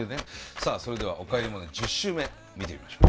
さあそれでは「おかえりモネ」１０週目見てみましょう。